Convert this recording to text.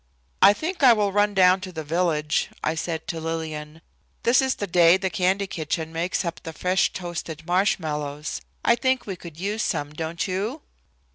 "I think I will run down to the village," I said to Lillian. "This is the day the candy kitchen makes up the fresh toasted marshmallows. I think we could use some, don't you?"